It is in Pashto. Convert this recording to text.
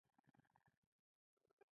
دا ګولایي باید په پارابولیک شکل ډیزاین شي